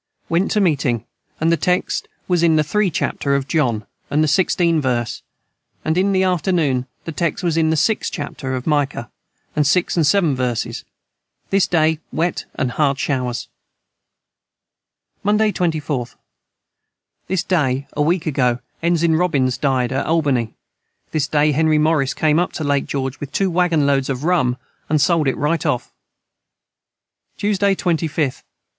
Went to meeting and the text was in the 3 chapter of John & the 16 verse & in the after noon the Text was in the 6 chapter of Micah 6 & 7 verses this day wet & hard showers. Monday 24th. This day a week ago Ensign Robins died at Albany this day Henry Morris came up to Lake George with 2 Waggon Loads of Rum and sold it right of Tuesday 25th.